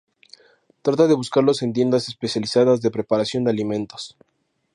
Trata de buscarlos en tiendas especializadas de preparación de alimentos.